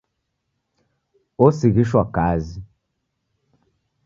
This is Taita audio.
Osighishwa kazi.